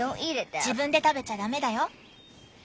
自分で食べちゃダメだよ。